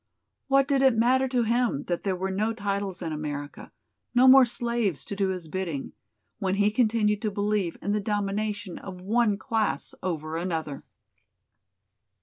What did it matter to him that there were no titles in America, no more slaves to do his bidding, when he continued to believe in the domination of one class over another.